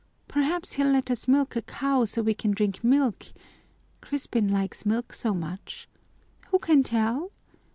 Perhaps he'll let us milk a cow so that we can drink milk Crispin likes milk so much. Who can tell!